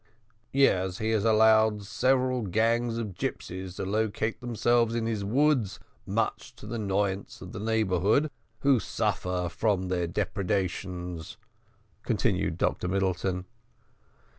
"Yes, he has allowed several gangs of gipsies to locate themselves in his woods, much to the annoyance of the neighbourhood, who suffer from their depredations," continued Dr Middleton.